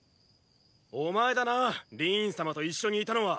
お前だなリーン様と一緒にいたのは！